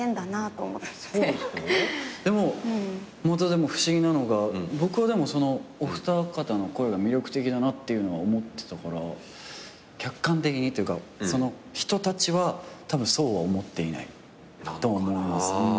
でも不思議なのが僕はお二方の声が魅力的だなっていうのは思ってたから客観的にっていうかその人たちはたぶんそうは思っていないと思います。